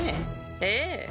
ええ。